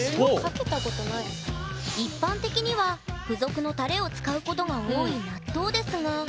一般的には付属のタレを使うことが多い納豆ですが。